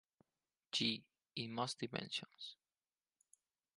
G in most dimensions.